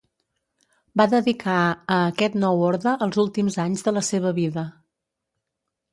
Va dedicar a aquest nou orde els últims anys de la seva vida.